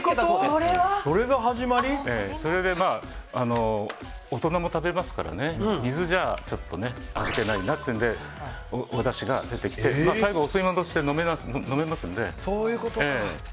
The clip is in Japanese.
それで、大人も食べますからね水じゃちょっと味気ないなというのでおだしが出てきて最後お吸い物として食べれますので。